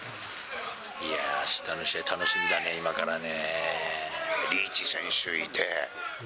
いやぁ、あしたの試合楽しみだね、今からね。